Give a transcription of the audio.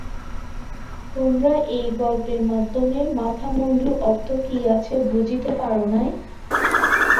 তোমরা এ গল্পের মধ্যে মাথামুণ্ডু অর্থ কী আছে বুঝিতে পার নাই?